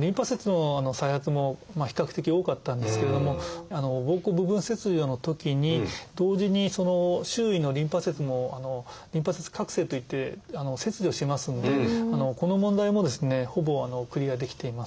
リンパ節の再発も比較的多かったんですけれども膀胱部分切除のときに同時に周囲のリンパ節もリンパ節郭清といって切除しますんでこの問題もほぼクリアできています。